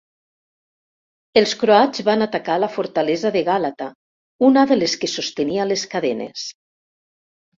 Els croats van atacar la fortalesa de Gàlata, una de les que sostenia les cadenes.